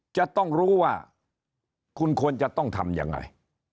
จะต้องรู้ว่าคุณควรจะต้องทำยังไง